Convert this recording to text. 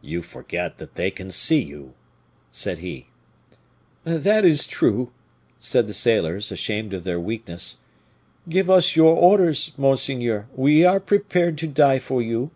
"You forget that they can see you," said he. "That is true!" said the sailors, ashamed of their weakness. "Give us your orders, monseigneur, we are prepared to die for you."